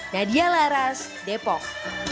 nadia laras depok